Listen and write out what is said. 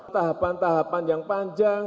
tahapan tahapan yang panjang